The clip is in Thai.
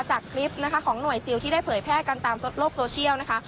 จากคลิปนะคะของหน่วยซิลที่ได้เผยแพร่กันตามโลกโซเชียลนะคะ